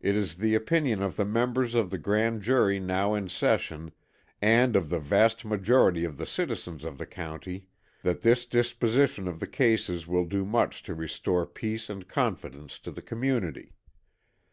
It is the opinion of the members of the grand jury now in session, and of the vast majority of the citizens of the county, that this disposition of the cases will do much to restore peace and confidence to the community.